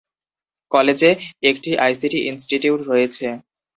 কলেজে একটি ICT institute রয়েছে।